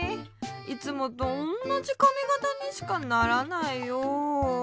いつもとおんなじかみがたにしかならないよ。